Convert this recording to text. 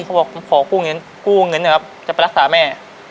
เขาบอกขอกู้เงินนะครับจะไปรักษาแม่